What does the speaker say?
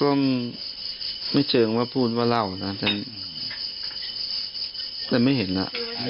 ก็ไม่เชิงว่าพูดว่าเล่านะแต่ไม่เห็นอ่ะ